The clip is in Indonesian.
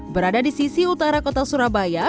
berada di sisi utara kota surabaya